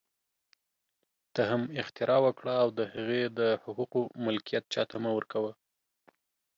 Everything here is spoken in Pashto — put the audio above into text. ته هم اختراع وکړه او د هغې د حقوقو ملکیت چا ته مه ورکوه